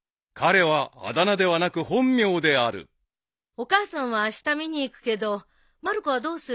お母さんはあした見に行くけどまる子はどうする？